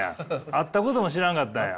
あったことも知らんかったんや。